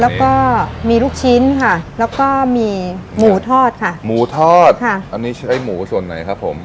แล้วก็มีลูกชิ้นค่ะแล้วก็มีหมูทอดค่ะหมูทอดค่ะอันนี้ใช้หมูส่วนไหนครับผม